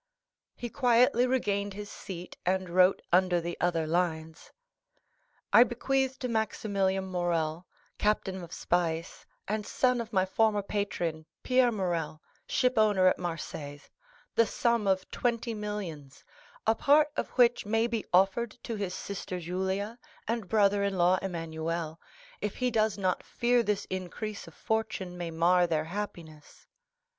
He quietly regained his seat, and wrote under the other lines: "I bequeath to Maximilian Morrel, captain of Spahis,—and son of my former patron, Pierre Morrel, shipowner at Marseilles,—the sum of twenty millions, a part of which may be offered to his sister Julie and brother in law Emmanuel, if he does not fear this increase of fortune may mar their happiness.